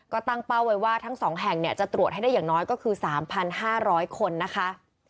ก็ตั้งเป้าไว้ว่าทั้ง๒แห่งจะตรวจให้ได้อย่างน้อยก็คือ๓๕๐๐คนนะคะ